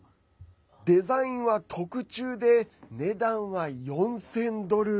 デザインは特注で値段は４０００ドル